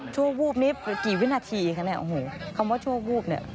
ชั่ววูบนี่กี่วินาทีคะคำว่าชั่ววูบนี่